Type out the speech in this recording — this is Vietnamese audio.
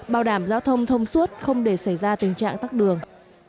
bảo đảm giao thông thông suốt không để xảy ra tình trạng tắt đường